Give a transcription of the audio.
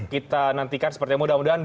kita nantikan sepertinya mudah mudahan